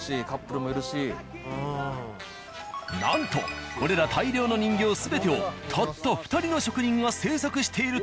なんとこれら大量の人形全てをたった２人の職人が制作しているという。